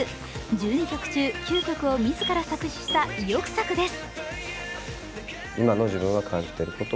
１２曲中、９曲を自ら作詞した意欲作です。